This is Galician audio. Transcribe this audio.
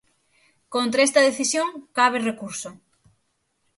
Contra esta decisión cabe recurso.